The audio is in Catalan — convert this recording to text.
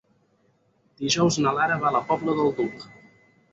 Dijous na Lara va a la Pobla del Duc.